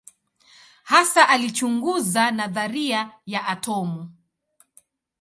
Hasa alichunguza nadharia ya atomu.